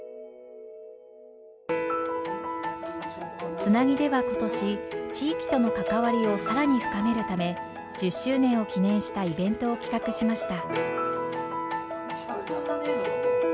つなぎでは今年地域との関わりを更に深めるため１０周年を記念したイベントを企画しました。